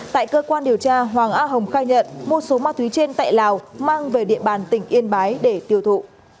tại cơ quan điều tra hoàng a hồng khai nhận một số ma túy trên tại lào mang về địa bàn tỉnh yên bái để tiêu thụ